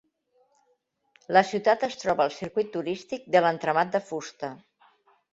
La ciutat es troba al circuit turístic de l'entramat de fusta.